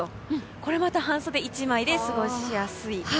これまた半袖１枚で過ごしやすい。